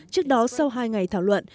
trước đó sau hai ngày thảo luận